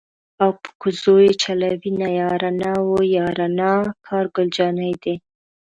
او په کوزو یې چلوینه یاره نا وه یاره نا کار ګل جانی دی.